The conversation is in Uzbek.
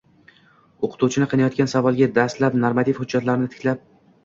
O‘qituvchini qiynayotgan savolga dastlab normativ hujjatlarni titkilab